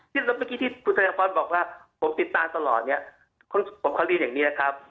เมื่อกี้ที่คุณธรรยาพรบอกว่าผมติดตามตลอดผมควรเรียนอย่างนี้